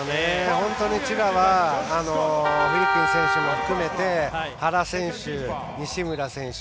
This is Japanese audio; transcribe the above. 本当に千葉はフリッピン選手も含めて原選手、西村選手